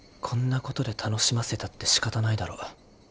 こんなことで楽しませたってしかたないだろ。